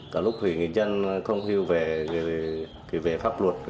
cả lúc người dân không hiểu về pháp luật